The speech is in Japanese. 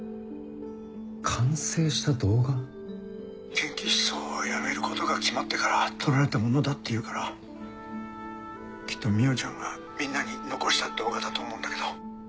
研究室を辞めることが決まってから撮られたものだっていうからきっと海音ちゃんがみんなに残した動画だと思うんだけど。